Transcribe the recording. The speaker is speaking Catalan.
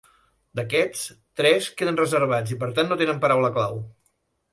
D'aquests, tres queden reservats i per tant no tenen paraula clau.